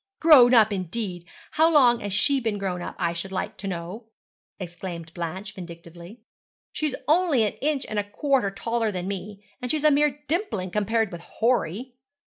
'Grown up, indeed! How long has she been grown up, I should like to know!' exclaimed Blanche vindictively. 'She's only an inch and a quarter taller than me, and she's a mere dumpling compared with Horry.'